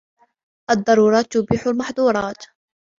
الضرورات تبيح المحظورات